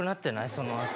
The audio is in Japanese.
そのあと。